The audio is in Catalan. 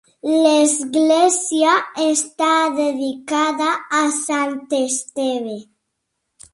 L'església està dedicada a sant Esteve.